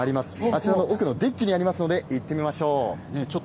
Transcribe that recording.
あちらの奥のデッキにありますので、行ってみましょう。